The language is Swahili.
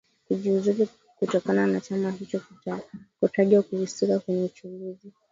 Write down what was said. kujiuzulu kutokana na chama hicho kutajwa kuhusika kwenye uchunguzi